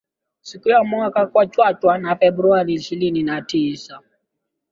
Siku ya mwaka wa chachawa ni Februari ishirini na tisa.